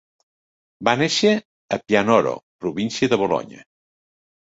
Va néixer a Pianoro, província de Bolonya.